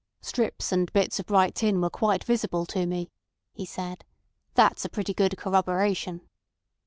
"Strips and bits of bright tin were quite visible to me," he said. "That's a pretty good corroboration."